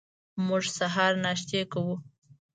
موږ سهار ناشتې کوو.